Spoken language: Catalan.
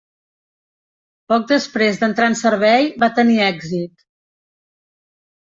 Poc després d'entrar en servei va tenir èxit.